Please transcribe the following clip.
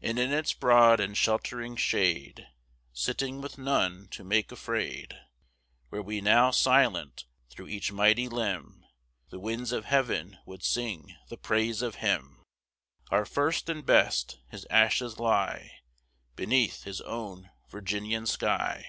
And in its broad and sheltering shade, Sitting with none to make afraid, Were we now silent, through each mighty limb, The winds of heaven would sing the praise of him. Our first and best! his ashes lie Beneath his own Virginian sky.